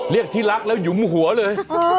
เรียกที่รักแล้วหยุมหัวเลย